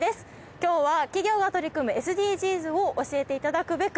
今日は企業が取り組むＳＤＧｓを教えていただくべく